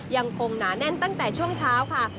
หนาแน่นตั้งแต่ช่วงเช้าค่ะ